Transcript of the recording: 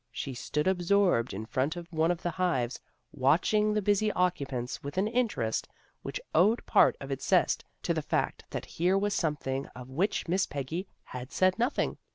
She stood absorbed in front of one of the hives, watching the busy occupants with an interest which owed part of its zest to the fact that here was something of which Miss Peggy had said nothing.